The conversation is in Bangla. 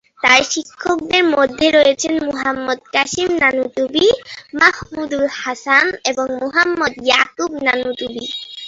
তাঁর শিক্ষকদের মধ্যে রয়েছেন মুহাম্মদ কাসেম নানুতুবি, মাহমুদুল হাসান এবং মুহাম্মদ ইয়াকুব নানুতুবি।